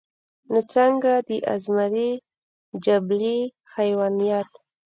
نو څنګه د ازمري جبلي حېوانيت